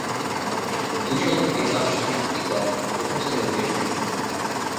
দুইশত থেকে মাত্র সাতটি কম প্রথম-শ্রেণীর উইকেট নেন।